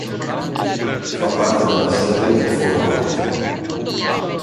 Fa parte della serie "Fallout".